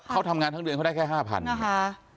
เขาทำงานทั้งเดือนเขาได้แค่ห้าพันธุ์นะคะ